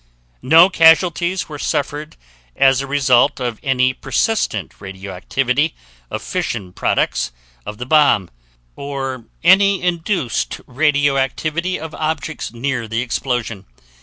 No casualties were suffered as a result of any persistent radioactivity of fission products of the bomb, or any induced radioactivity of objects near the explosion.